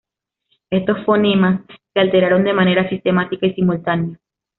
Estos fonemas se alteraron de manera sistemática y simultánea.